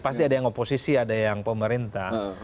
pasti ada yang oposisi ada yang pemerintah